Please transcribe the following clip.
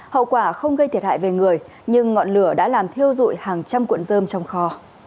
hậu quả không gây thiệt hại về người nhưng ngọn lửa đã làm thiêu dụi hàng trăm cuộn dơm trong kho